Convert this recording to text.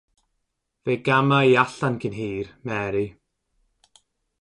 ‘Fe gama' i allan cyn hir, Mary.